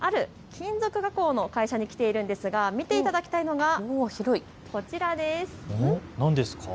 きょうはある金属加工の会社に来ているんですが見ていただきたいのがこちらです。